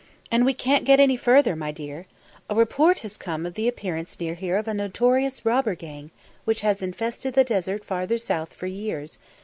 "And we can't get any further, my dear. A report has come of the appearance near here of a notorious robber gang which has infested the desert farther south for years.